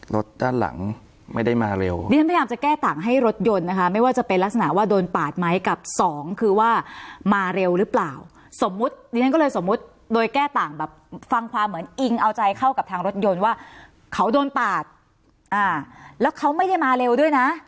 รถด้านหลังไม่ได้มาเร็วดิฉันพยายามจะแก้ต่างให้รถยนต์นะคะไม่ว่าจะเป็นลักษณะว่าโดนปาดไหมกับสองคือว่ามาเร็วหรือเปล่าสมมุติดิฉันก็เลยสมมุติโดยแก้ต่างแบบฟังความเหมือนอิงเอาใจเข้ากับทางรถยนต์ว่าเขาโดนปาดอ่าแล้วเขาไม่ได้มาเร็วด้วยนะ